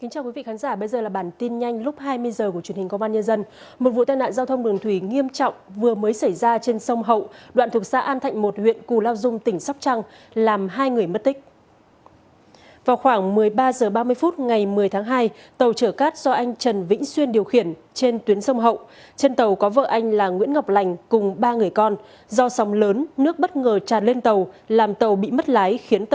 hãy đăng ký kênh để ủng hộ kênh của chúng mình nhé